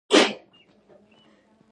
خو همدا پټانان و.